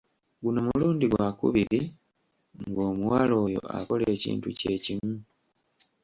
Guno mulundi gwakubiri ng'omuwala oyo akola ekintu kye kimu.